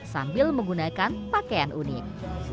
sambil menggunakan pakaian unik